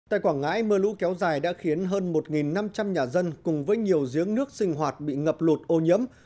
tại quảng ngãi mưa lũ kéo dài đã khiến hơn một năm trăm linh nhà dân cùng với nhiều giếng nước sinh hoạt bị ngập lụt ô nhiễm